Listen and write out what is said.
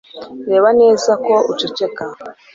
reba neza ko uceceka